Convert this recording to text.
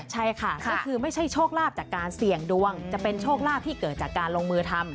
ใช่ค่ะก็คือไม่ใช่โชคลาภจากการเสี่ยงดวงจะเป็นโชคลาภที่เกิดจากการลงมือทำ